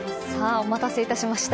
お待たせいたしました。